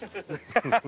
ハハハハ！